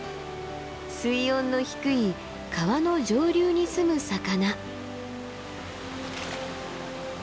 水温の低い川の上流に住む魚。